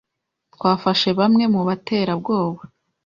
Twafashe bamwe mu baterabwoba.